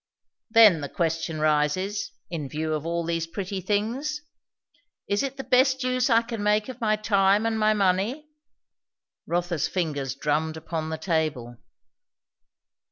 "Then the question rises, in view of all these pretty things, Is it the best use I can make of my time and my money?" Rotha's fingers drummed upon the table.